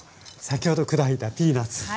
先ほど砕いたピーナツ。